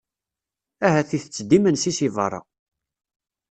Ahat itett-d imensi si berra.